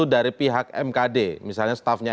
dari pihak mkd misalnya staffnya